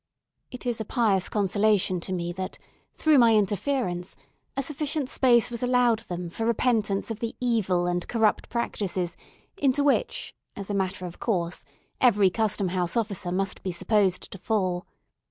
It is a pious consolation to me that, through my interference, a sufficient space was allowed them for repentance of the evil and corrupt practices into which, as a matter of course, every Custom House officer must be supposed to fall.